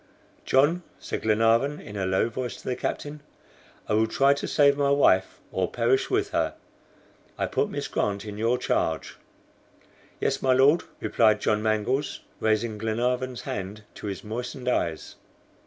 "John!" said Glenarvan in a low voice to the captain, "I will try to save my wife or perish with her. I put Miss Grant in your charge." "Yes, my Lord," replied John Mangles, raising Glenarvan's hand to his moistened eyes.